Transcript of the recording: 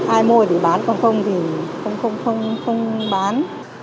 ai mua thì bán không không thì không bán